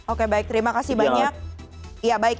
oke baik terima kasih banyak